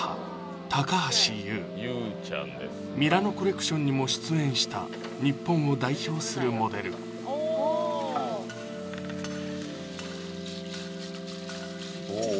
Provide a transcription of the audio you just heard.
高橋ユウミラノコレクションにも出演した日本を代表するモデルおぉおぉ